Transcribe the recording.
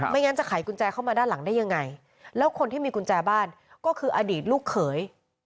งั้นจะไขกุญแจเข้ามาด้านหลังได้ยังไงแล้วคนที่มีกุญแจบ้านก็คืออดีตลูกเขย